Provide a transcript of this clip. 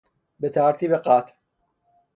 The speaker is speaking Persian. به ترتیب قد